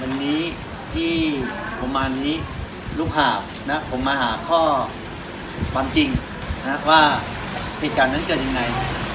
วันนี้ที่ผมมานี่ลูกหาบผมมาหาข้อความจริงกับว่าผิดการนั้นเกิดยังไง